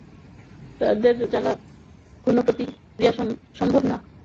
যাঁদের যাতনার কোনো প্রতিকার সম্ভব না, তাঁরাই একাত্তরে সর্বোচ্চ ত্যাগ স্বীকারকারী নারী।